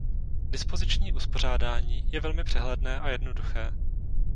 Dispoziční uspořádání je velmi přehledné a jednoduché.